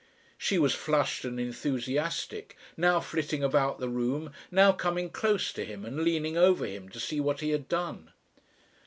She was flushed and enthusiastic, now flitting about the room, now coming close to him and leaning over him to see what he had done.